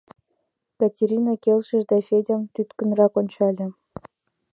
— Катерина келшыш да Федям тӱткынрак ончале.